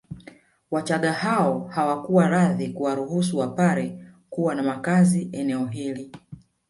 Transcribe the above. Wachagga hao hawakuwa radhi kuwaruhusu Wapare kuwa na makazi eneo hili